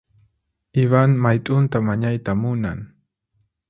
Ivan mayt'unta mañayta munan.